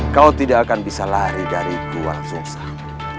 kau tidak akan bisa lari dari gua orang sengsang